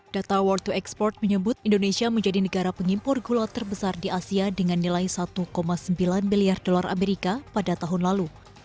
data world to export menyebut indonesia menjadi negara pengimpor gula terbesar di asia dengan nilai satu sembilan miliar dolar amerika pada tahun lalu